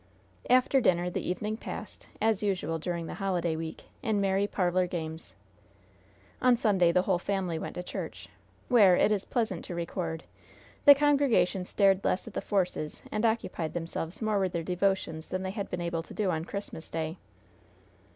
After dinner the evening passed, as usual during the holiday week, in merry parlor games. On Sunday the whole family went to church, where, it is pleasant to record, the congregation stared less at the Forces and occupied themselves more with their devotions than they had been able to do on Christmas Day.